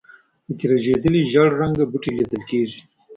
په کې رژېدلي زېړ رنګه بوټي لیدل کېږي.